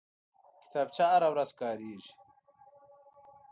کتابچه هره ورځ کارېږي